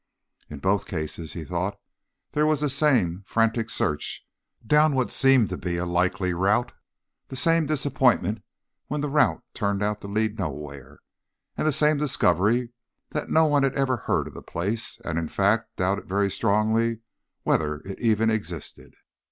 In both cases, he thought, there was the same frantic search down what seemed to be a likely route, the same disappointment when the route turned out to lead nowhere, and the same discovery that no one had ever heard of the place and, in fact, doubted very strongly whether it even existed.